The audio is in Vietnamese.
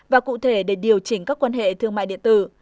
và cụ thể để điều chỉnh các quan hệ thương mại điện tử